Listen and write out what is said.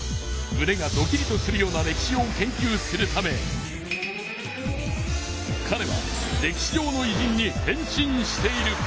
むねがドキリとするような歴史を研究するためかれは歴史上のいじんに変身している。